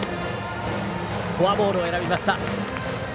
フォアボールを選びました。